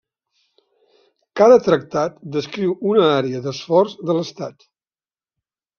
Cada tractat descriu una àrea d'esforç de l'estat.